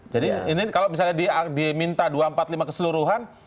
jadi ini kalau misalnya diminta dua ratus empat puluh lima keseluruhan